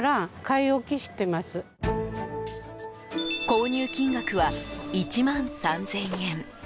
購入金額は１万３０００円。